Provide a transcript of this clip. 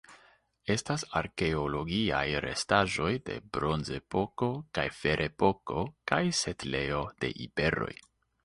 Estas arkeologiaj restaĵoj de Bronzepoko kaj Ferepoko kaj setlejo de iberoj.